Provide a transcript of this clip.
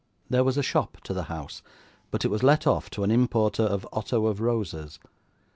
There was a shop to the house, but it was let off to an importer of otto of roses.